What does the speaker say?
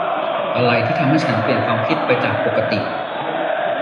อะไรที่ทำให้ฉันเปลี่ยนความคิดไปจากปกติ ?